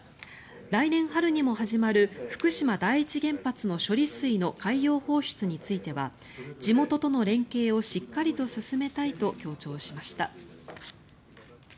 来年春にも始まる福島第一原発の処理水の海洋放出については地元との連携をしっかりと進めたいと強調しました。